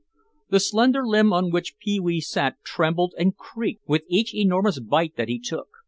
The slender limb on which Pee wee sat trembled and creaked with each enormous bite that he took.